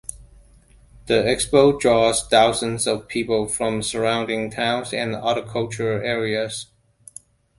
The Expo draws thousands of people from surrounding towns and agricultural areas.